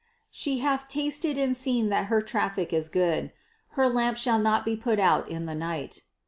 787. "She hath tasted and seen that her traffic is good : her lamp shall not be put out in the night."